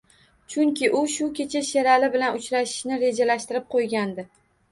Chunki, u shu kecha Sherali bilan uchrashishni rejalashtirib qo`ygandi